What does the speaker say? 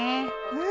うん。